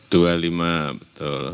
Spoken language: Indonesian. dua lima betul